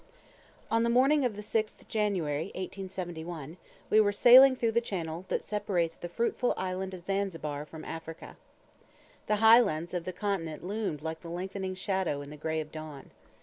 On the morning of the 6th January, 1871, we were sailing through the channel that separates the fruitful island of Zanzibar from Africa. The high lands of the continent loomed like a lengthening shadow in the grey of dawn.